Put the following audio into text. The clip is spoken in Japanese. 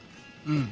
うん。